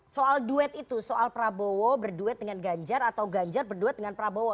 soal duet itu soal prabowo berduet dengan ganjar atau ganjar berduet dengan prabowo